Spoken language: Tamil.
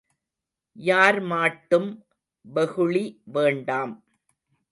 யார் மாட்டும் வெகுளி வேண்டாம்.